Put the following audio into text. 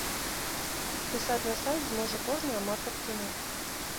Пісаць на сайт зможа кожны аматар кіно.